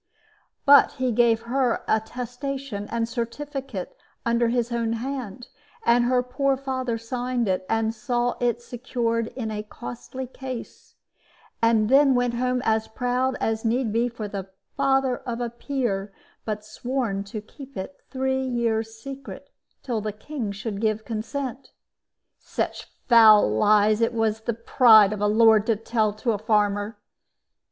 "But he gave her attestation and certificate under his own hand; and her poor father signed it, and saw it secured in a costly case, and then went home as proud as need be for the father of a peer, but sworn to keep it three years secret, till the king should give consent. Such foul lies it was the pride of a lord to tell to a farmer.